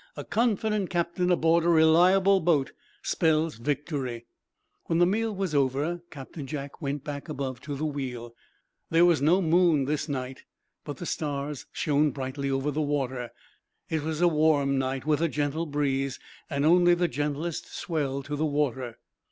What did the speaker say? "A confident captain, aboard a reliable boat, spells victory." When the meal was over Captain Jack went back above to the wheel. There was no moon this night, but the stars shone brightly over the water. It was a warm night, with a gentle breeze, and only the gentlest swell to the water.